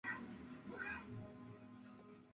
前上颌骨齿为一丛不具复合齿。